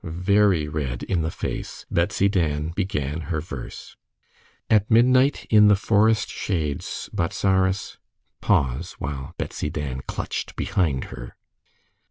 Very red in the face, Betsy Dan began her verse. "At midnight in the forest shades, Bozzaris " Pause, while Betsy Dan clutched behind her.